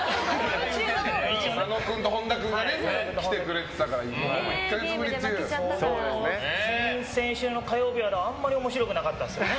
佐野君と本田君が来てくれてたからちなみに先週の火曜日はあんまり面白くなかったですね。